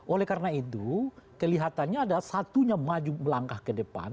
oleh karena itu kelihatannya ada satunya maju melangkah ke depan